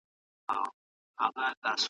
ایا مازیګر لا تر اوسه زموږ په تمه دی؟